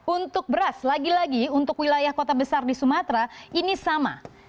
untuk beras lagi lagi untuk wilayah kota besar di sumatera ini sama